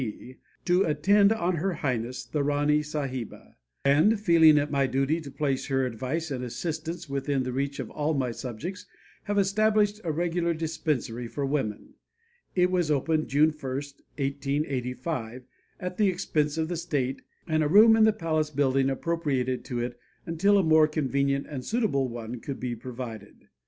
D., to attend on Her Highness, the Rani Sahiba, and, feeling it my duty to place her advice and assistance within the reach of all my subjects, have established a regular dispensary for women. It was opened June 1, 1885, at the expense of the state, and a room in the palace building appropriated to it until a more convenient and suitable one could be provided.